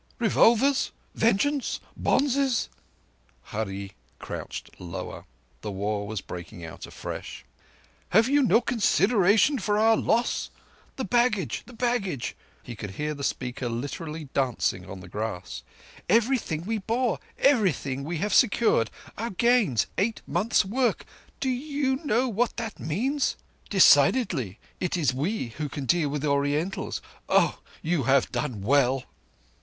"Revolvers! Vengeance! Bonzes!" Hurree crouched lower. The war was breaking out afresh. "Have you no consideration for our loss? The baggage! The baggage!" He could hear the speaker literally dancing on the grass. "Everything we bore! Everything we have secured! Our gains! Eight months' work! Do you know what that means? 'Decidedly it is we who can deal with Orientals!' Oh, you have done well."